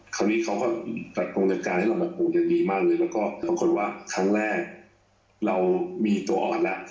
เขาก็ปรับปรุงจัดการให้เรามาปลูกอย่างดีมากเลยแล้วก็บางคนว่าครั้งแรกเรามีตัวอ่อนแล้ว